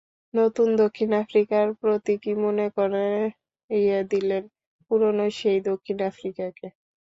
নতুন দক্ষিণ আফ্রিকার প্রতীকই মনে করিয়ে দিলেন পুরোনো সেই দক্ষিণ আফ্রিকাকে।